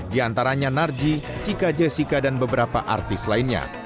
diantaranya narji cika jessica dan beberapa artis lainnya